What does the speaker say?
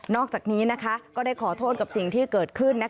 อกจากนี้ก็ได้ขอโทษกับสิ่งที่เกิดขึ้น